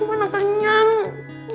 aku mau naik kenyang